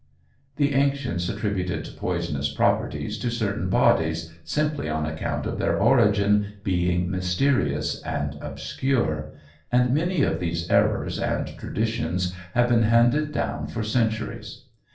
The ancients attributed poisonous properties to certain bodies simply on account of their origin being mysterious and obscure, and many of these errors and traditions have been handed down for centuries.